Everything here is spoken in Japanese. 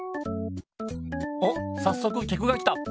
おっさっそくきゃくが来た。